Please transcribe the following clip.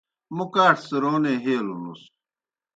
موْ کاٹھہ څِرونے ہیلونُس۔